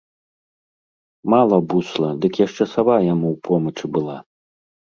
Мала бусла, дык яшчэ сава яму ў помачы была.